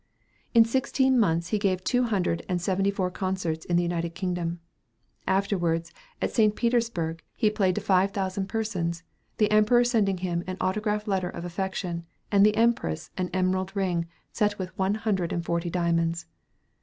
In sixteen months he gave two hundred and seventy four concerts in the United Kingdom. Afterwards, at St. Petersburg, he played to five thousand persons, the Emperor sending him an autograph letter of affection, and the Empress an emerald ring set with one hundred and forty diamonds.